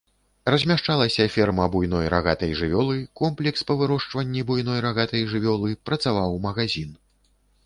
Размяшчаліся ферма буйной рагатай жывёлы, комплекс па вырошчванні буйной рагатай жывёлы, працаваў магазін.